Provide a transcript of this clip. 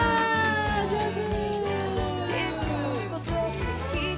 上手。